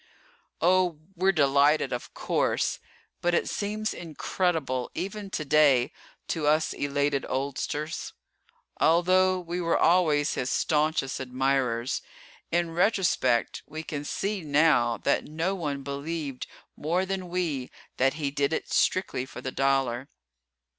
Oh, we're delighted of course, but it seems incredible even today to us elated oldsters. Although we were always his staunchest admirers, in retrospect we can see now that no one believed more than we that he did it strictly for the dollar.